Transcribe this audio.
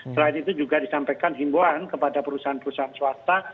selain itu juga disampaikan himboan kepada perusahaan perusahaan swasta